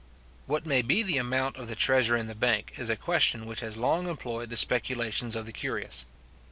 What may be the amount of the treasure in the bank, is a question which has long employed the speculations of the curious.